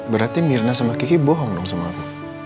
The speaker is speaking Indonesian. berarti mirna sama kiki bohong dong sama aku